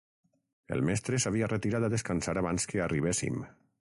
El mestre s'havia retirat a descansar abans que arribéssim.